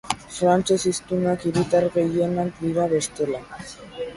Frantses hiztunak hiritar gehienak dira bestela.